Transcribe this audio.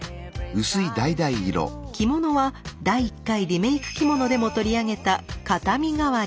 着物は第１回「リメイク着物」でも取り上げた「片身替わり」。